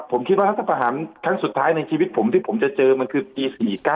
ผมคิดว่ารัฐประหารครั้งสุดท้ายในชีวิตผมที่ผมจะเจอมันคือปี๔๙